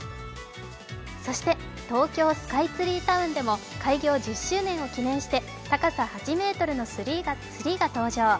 そして東京スカイツリータウンでも開業１０周年を記念して高さ８ｍのツリーが登場。